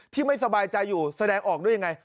ไม่สบายใจอยู่แสดงออกด้วยยังไง